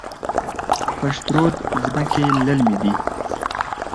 پشت رود ځمکې للمي دي؟